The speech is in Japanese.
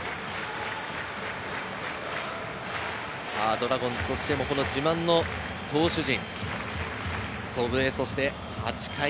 ドラゴンズとしても自慢の投手陣。